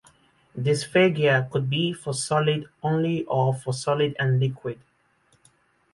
Dysphagia could be for solid only or for solid and liquid.